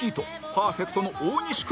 パーフェクトの大西君